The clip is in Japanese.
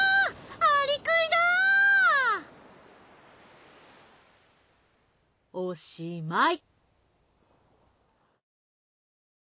アリクイだおしまい。